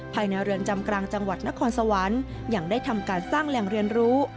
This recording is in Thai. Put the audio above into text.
ภายในเรือนจำกลางจังหวัดนครสวรรค์ยังได้ทำการสร้างแหล่งเรียนรู้